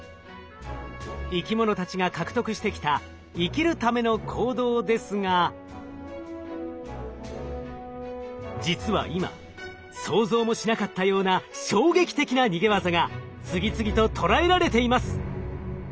生き物たちが獲得してきた生きるための行動ですが実は今想像もしなかったような衝撃的な逃げ技が次々と捉えられています。